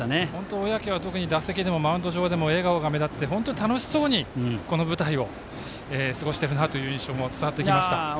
小宅は打席でもマウンド上でも笑顔が目立って楽しそうに、この舞台を過ごしていたなという印象も伝わってきました。